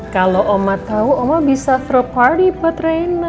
kalau oma tahu oma bisa throw party buat rena